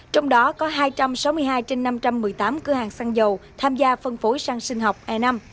trong đó có hai trăm sáu mươi hai trên năm trăm một mươi tám cửa hàng xăng dầu tham gia phân phối xăng sinh học e năm